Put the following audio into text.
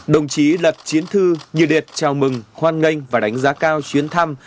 đồng chí lật chiến thư nhiệt liệt chào mừng hoan nghênh và đánh giá cao chuyến thăm